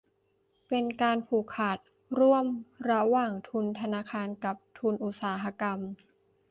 เป็นการผูกขาดร่วมระหว่างทุนธนาคารกับทุนอุตสาหกรรม